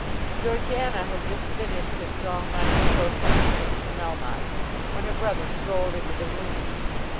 Georgiana had just finished her strong minded protest against the Melmottes, when her brother strolled into the room.